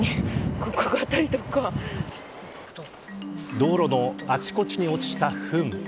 道路のあちこちに落ちたふん。